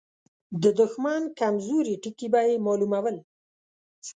د دښمن کمزوري ټکي به يې مالومول.